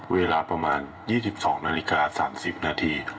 เวลาประมาณ๒๒นาฬิกา๓๐นาที